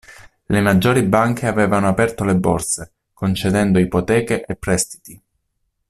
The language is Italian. Le maggiori banche avevano aperto le borse concedendo ipoteche e prestiti.